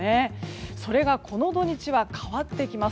それがこの土日は変わってきます。